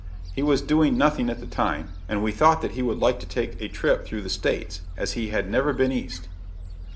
He was doing nothing at the time, and we thought that he would like to take a trip through the States, as he had never been East.